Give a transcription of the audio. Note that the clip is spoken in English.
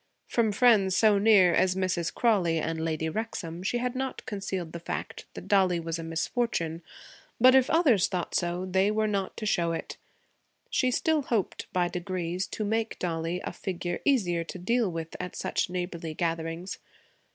From friends so near as Mrs. Crawley and Lady Wrexham she had not concealed the fact that Dollie was a misfortune; but if others thought so, they were not to show it. She still hoped, by degrees, to make Dollie a figure easier to deal with at such neighborly gatherings.